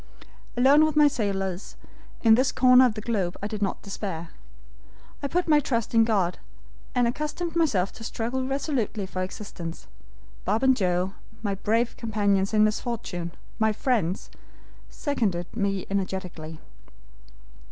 Alone with my sailors, in this corner of the globe, I did not despair. I put my trust in God, and accustomed myself to struggle resolutely for existence. Bob and Joe, my brave companions in misfortune, my friends, seconded me energetically.